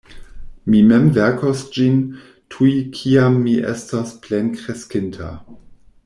Mi mem verkos ĝin, tuj kiam mi estos plenkreskinta.